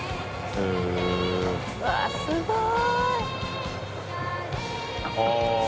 うわぁすごい。